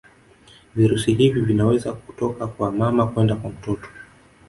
virusi hivi vinaweza kutoka kwa mama kwenda kwa mtoto